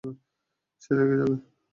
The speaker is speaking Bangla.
সে রেগে যাবে।